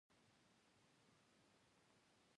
د افغان جرګه د اتفاق مجلس دی.